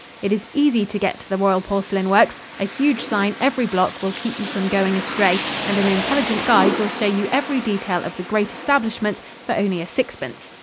It is easy to get to the Royal Porcelain Works: a huge sign every block will keep you from going astray and an intelligent guide will show you every detail of the great establishment for only a sixpence.